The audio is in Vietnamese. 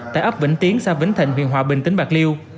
tại ấp vĩnh tiến xa vĩnh thịnh huyện hòa bình tỉnh bạc liêu